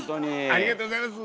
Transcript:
ありがとうございます。